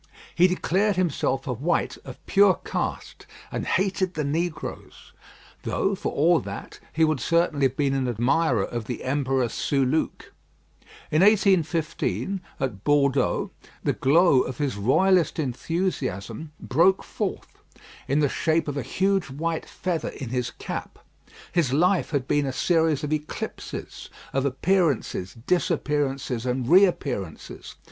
He declared himself a white of pure caste, and hated the negroes; though, for all that, he would certainly have been an admirer of the Emperor Soulouque. In 1815, at Bordeaux, the glow of his royalist enthusiasm broke forth in the shape of a huge white feather in his cap. His life had been a series of eclipses of appearances, disappearances, and reappearances.